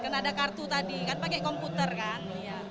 karena ada kartu tadi kan pakai komputer kan